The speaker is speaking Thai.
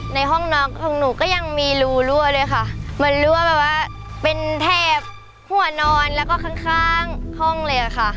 ในห้องนอนของหนูก็ยังมีรูรั่วเลยค่ะเหมือนรั่วแบบว่าเป็นแถบหัวนอนแล้วก็ข้างข้างห้องเลยอะค่ะ